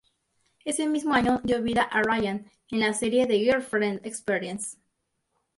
Ese mismo año dio vida a Ryan en la serie The Girlfriend Experience.